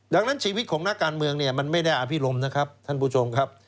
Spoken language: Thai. ดังนั้นชีวิตของนักการเมืองเนี่ยมันไม่ได้อภิรมนะครับท่านผู้ชมครับ